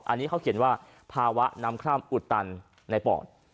อันนี้เขาเขียนว่าภาวะน้ำคร่ำอุดตันในปอด